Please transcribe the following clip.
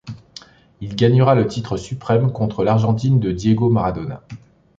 Il gagnera le titre suprême contre l'Argentine de Diego Maradona.